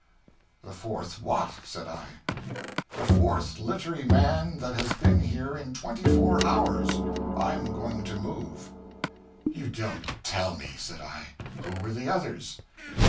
"The fourth what!" said I. "The fourth littery man that has been here in twenty four hours I'm going to move." "You don't tell me!" said I; "who were the others!"